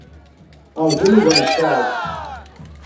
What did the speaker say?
Ṛjan ugar n tsaɛet.